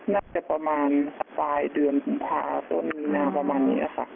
น่าจะประมาณสายเดือนถูกทะวันนี่นะค่ะ